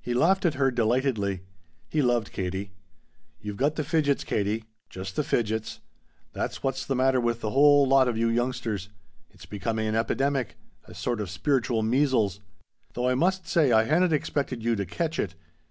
He laughed at her delightedly. He loved Katie. "You've got the fidgets, Katie. Just the fidgets. That's what's the matter with the whole lot of you youngsters. It's becoming an epidemic a sort of spiritual measles. Though I must say, I hadn't expected you to catch it.